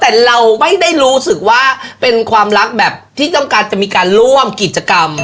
แต่เราไม่ได้รู้สึกว่าเป็นความรักแบบที่ต้องการจะมีการร่วมกิจกรรม